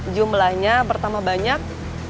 jumlahnya bertambah banyak